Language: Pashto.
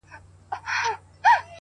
زه د یویشتم قرن غضب ته فکر نه کوم”